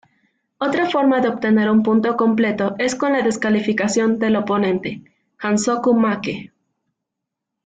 Otra forma de obtener un punto completo es con la descalificación del oponente Hansoku-make.